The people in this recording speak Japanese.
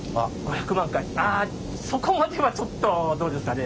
あそこまではちょっとどうですかね。